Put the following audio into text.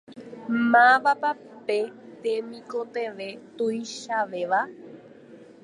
Mávapa pe temikotevẽ tuichavéva?